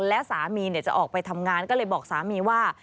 และสามีจะออกไปทำงานก็เลยบอกสามีว่า